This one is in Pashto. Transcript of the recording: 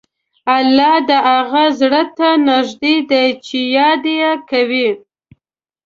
الله د هغه زړه ته نږدې دی چې یاد یې کوي.